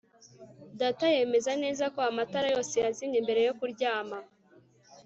data yemeza neza ko amatara yose yazimye mbere yo kuryama